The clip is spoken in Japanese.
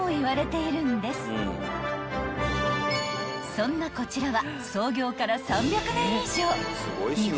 ［そんなこちらは］